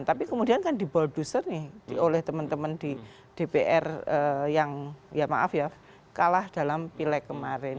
tapi kemudian kan dibolduser nih oleh teman teman di dpr yang ya maaf ya kalah dalam pileg kemarin